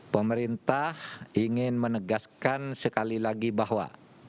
pemerintah ingin menegaskan sekali lagi bahwa